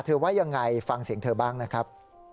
ว่ายังไงฟังเสียงเธอบ้างนะครับ